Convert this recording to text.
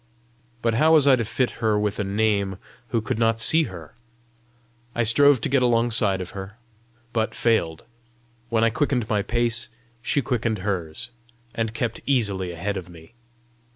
But how was I to fit her with a name who could not see her? I strove to get alongside of her, but failed: when I quickened my pace she quickened hers, and kept easily ahead of me.